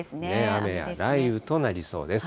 雨や雷雨となりそうです。